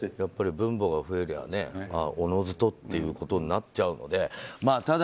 分母が増えればおのずとということになっちゃうのでただ、